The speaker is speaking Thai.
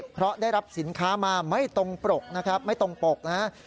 เพราะได้รับสินค้ามาไม่ตรงปรกนะครับไม่ตรงปกนะครับ